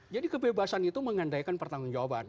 jadi kebebasan itu mengandaikan pertanggung jawaban